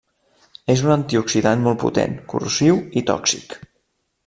És un antioxidant molt potent, corrosiu i tòxic.